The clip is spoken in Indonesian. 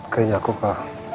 kerja aku ke